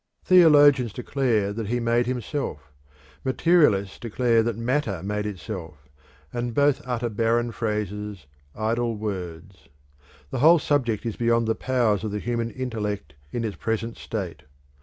Theologians declare that he made himself, materialists declare that matter made itself, and both utter barren phrases, idle words. The whole subject is beyond the powers of the human intellect in its present state.